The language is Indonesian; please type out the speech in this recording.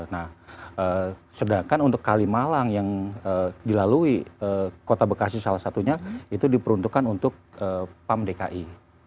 nah sedangkan untuk kalimalang yang dilalui kota bekasi salah satunya itu diperuntukkan untuk pam dki